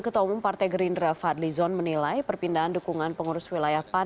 ketua umum partai gerindra fadli zon menilai perpindahan dukungan pengurus wilayah pan